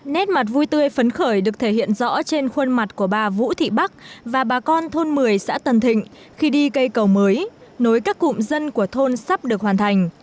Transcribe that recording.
nét mặt vui tươi phấn khởi được thể hiện rõ trên khuôn mặt của bà vũ thị bắc và bà con thôn một mươi xã tân thịnh khi đi cây cầu mới nối các cụm dân của thôn sắp được hoàn thành